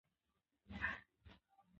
دجړبحث څخه ورورسته شفيق